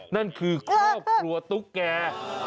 นั่นคือครอบครัวตุ๊กแก่